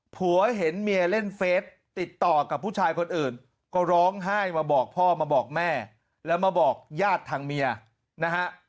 ผัวเห็นเมียเล่นเฟสติดต่อกับผู้ชายคนอื่นก็ร้องไห้มาบอกพ่อมาบอกแม่แล้วมาบอกญาติทางเมียนะฮะ